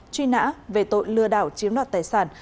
truy nã về tội lừa đảo chiếm đoạt tài sản